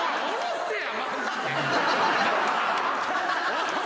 おい。